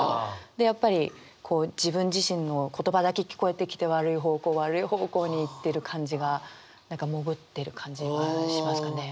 でやっぱり自分自身の言葉だけ聞こえてきて悪い方向悪い方向に行ってる感じが何か潜ってる感じがしますかね。